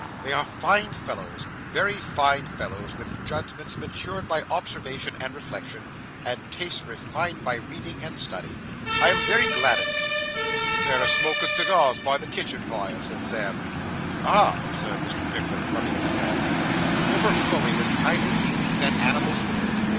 'They are fine fellows very fine fellows; with judgments matured by observation and reflection; and tastes refined by reading and study. I am very glad of it.' 'They're a smokin' cigars by the kitchen fire,' said Sam. 'Ah!' observed Mr. Pickwick, rubbing his hands, 'overflowing with kindly feelings and animal spirits.